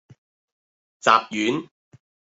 雜丸